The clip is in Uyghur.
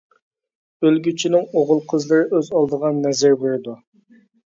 ئۆلگۈچىنىڭ ئوغۇل-قىزلىرى ئۆز ئالدىغا نەزىر بېرىدۇ.